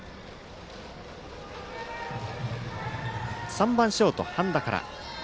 ３番ショート、半田から。